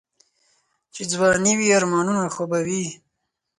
چې ځواني وي آرمانونه خو به وي.